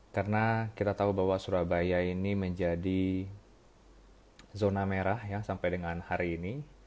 karena kita tahu bahwa surabaya ini menjadi zona merah yang sampai dengan hari ini